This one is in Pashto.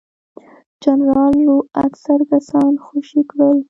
جنرال لو اکثر کسان خوشي کړل.